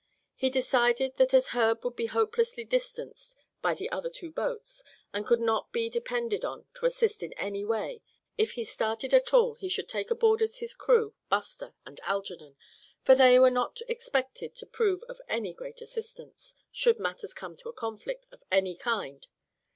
He decided that as Herb would be hopelessly distanced by the other two boats, and could not be depended on to assist in any way, if he started at all he should take aboard as his crew Buster and Algernon; for they could not be expected to prove of any great assistance, should matters come to a conflict of any kind.